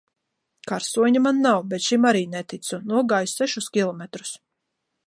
Karsoņa man nav, bet šim arī neticu. Nogāju sešus kilometrus.